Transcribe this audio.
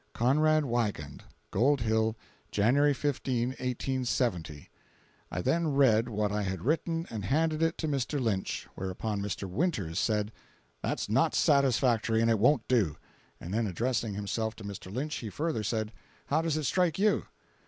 CONRAD WIEGAND. Gold Hill, January 15, 1870. I then read what I had written and handed it to Mr. Lynch, whereupon Mr. Winters said: "That's not satisfactory, and it won't do;" and then addressing himself to Mr. Lynch, he further said: "How does it strike you?"